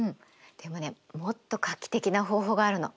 でもねもっと画期的な方法があるの。